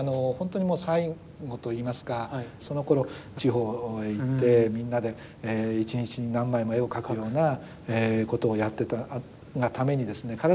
ほんとにもう最後といいますかそのころ地方へ行ってみんなで一日に何枚も絵を描くようなことをやってたがためにですね